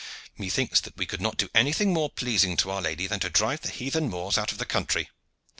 "Methinks that we could not do anything more pleasing to Our Lady than to drive the heathen Moors out of the country."